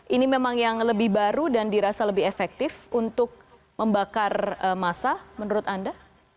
ini memang yang lebih baru dan dirasa lebih efektif untuk membakar masa menurut anda